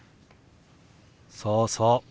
そうそう。